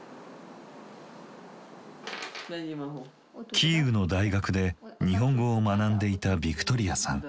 キーウの大学で日本語を学んでいたヴィクトリヤさん。